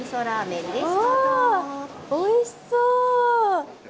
おいしそう。